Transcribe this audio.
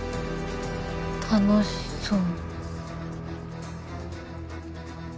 楽しそう。